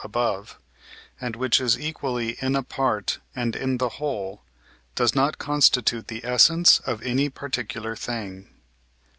above), and which is equally in a part and in the whole, does not constitute the essence of any particular thing.